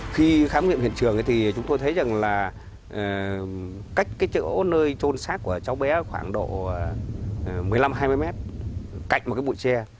khi khám nghiệm hiện trường thì chúng tôi thấy rằng là cách cái chỗ nơi trôn sát của cháu bé khoảng độ một mươi năm hai mươi mét cạnh một cái bụi tre